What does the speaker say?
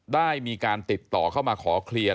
ได้มีการติดต่อเข้ามาขอเคลียร์